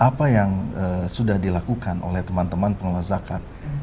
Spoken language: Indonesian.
apa yang sudah dilakukan oleh teman teman pengelola zakat